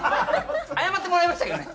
謝ってもらいましたけどね。